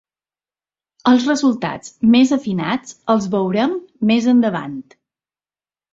Els resultats més afinats els veurem més endavant.